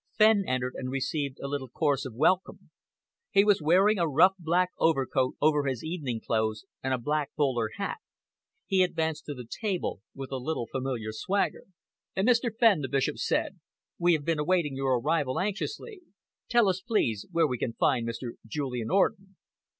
Fenn entered and received a little chorus of welcome. He was wearing a rough black overcoat over his evening clothes, and a black bowler hat. He advanced to the table with a little familiar swagger. "Mr. Fenn," the Bishop said, "we have been awaiting your arrival anxiously. Tell us, please, where we can find Mr. Julian Orden."